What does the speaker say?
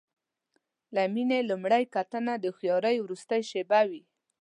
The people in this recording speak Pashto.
د مینې لومړۍ کتنه د هوښیارۍ وروستۍ شېبه وي.